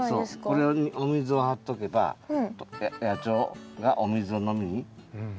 これにお水を張っとけば野鳥がお水を飲みにやって来ます。